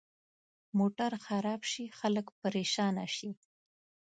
موټر خراب شي، خلک پرېشانه شي.